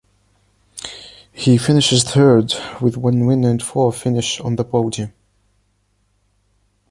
He finishes third with one win and four finish on the podium.